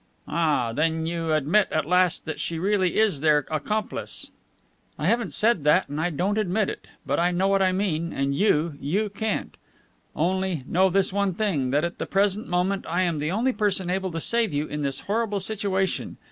"Ah, then you admit at last that she really is their accomplice?" "I haven't said that and I don't admit it. But I know what I mean, and you, you can't. Only, know this one thing, that at the present moment I am the only person able to save you in this horrible situation.